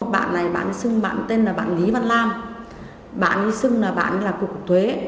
bạn này bạn xưng tên là bạn lý văn lam bạn xưng là bạn của cục thuế